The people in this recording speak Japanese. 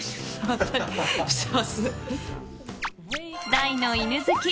［大の犬好き］